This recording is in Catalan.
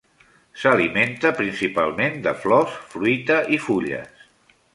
S'alimenta principalment de flors, fruita i fulles.